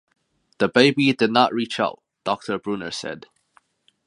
"The baby did not reach out," Doctor Bruner said.